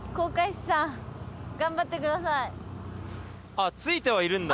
あっついてはいるんだ。